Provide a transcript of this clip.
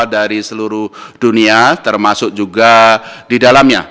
dari seluruh dunia termasuk juga di dalamnya